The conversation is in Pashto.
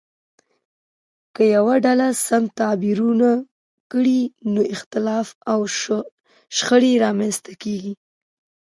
که یوه ډله سم تعبیر ونه کړي نو اختلاف او شخړه رامنځته کیږي.